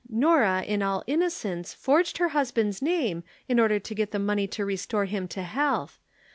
Norah in all innocence forged her husband's name in order to get the money to restore him to health.